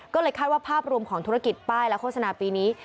ก็เลยคาดว่าภาพรวมของธุรกิจป้ายและโฆษณาปีนี้